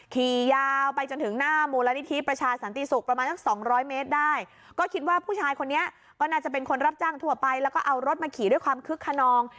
ขี่ยาวไปจนถึงหน้ามูลนิธิประชาสันติศุกร์ประมาณสักสองร้อยเมตรได้ก็คิดว่าผู้ชายคนนี้ก็น่าจะเป็นคนรับจ้างทั่วไปแล้วก็เอารถมาขี่ด้วยความคึกขนอง